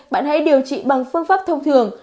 bạn hãy điều trị bằng phương pháp thông thường